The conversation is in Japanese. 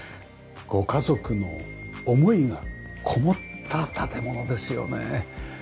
ご家族の思いがこもった建物ですよね。